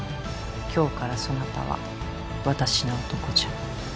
今日からそなたは私の男じゃ。